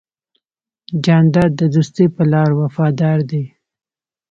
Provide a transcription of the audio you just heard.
جانداد د دوستی په لار وفادار دی.